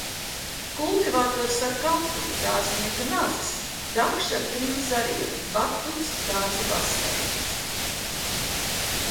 Kultivators ar kapli. Dārznieka nazis. Dakša ar trim zariem. Batuts, dārza baseins.